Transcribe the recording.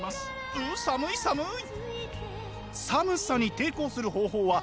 う寒い寒い！